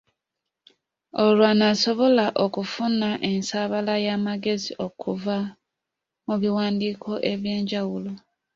Olwo lw’anaasobola okufuna ensaabala y’amagezi okuva mu biwandiiko eby’enjawulo.